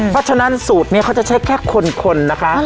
เพราะฉะนั้นสูตรนี้เขาจะใช้แค่คนนะคะ